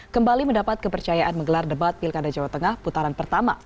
kembali mendapat kepercayaan menggelar debat pilkada jawa tengah putaran pertama